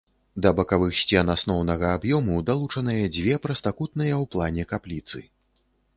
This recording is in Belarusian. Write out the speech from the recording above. Да бакавых сцен асноўнага аб'ёму далучаныя дзве прастакутныя ў плане капліцы.